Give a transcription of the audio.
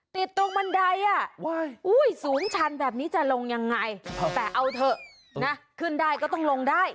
ติดตรงบันไดอ่ะสูงชันแบบนี้จะลงยังไงแต่เอาเถอะนะขึ้นได้ก็ต้องลงได้